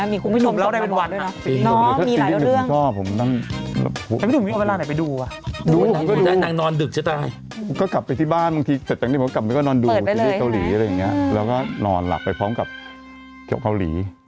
พึ่งมาก็จะฟูดประหลาดเกาหลี